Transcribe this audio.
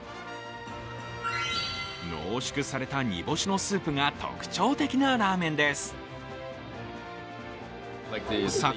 濃縮された煮干しのスープが特徴的なラーメンです。